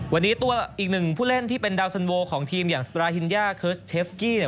วันนี้ตัวอีกหนึ่งผู้เล่นที่เป็นดาวสันโวของทีมอย่างสราฮิญญาเคิร์สเทฟกี้